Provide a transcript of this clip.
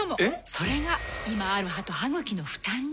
それが今ある歯と歯ぐきの負担に。